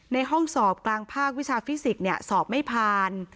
ในห้องสอบกลางภาควิชาฟิสิกส์สอบไม่ผ่าน